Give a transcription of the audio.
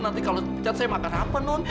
nanti kalau dipecat saya makan apa non